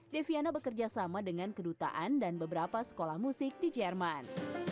deviana bekerja sama dengan kedutaan dan beberapa sekolah musik di jerman